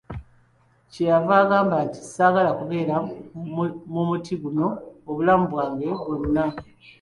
Kye yava agamba nti, saagala kubeera mu muti guno obulamu bwange bwonna.